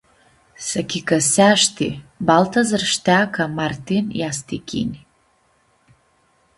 S-achicãseashti Baltazar shtea cã Martin easti ghini.